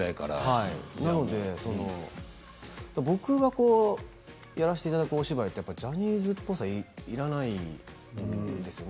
なので僕はやらせていただくお芝居はジャニーズっぽさはいらないですよね。